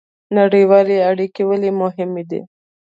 نړیوالې اړیکې ولې مهمې دي؟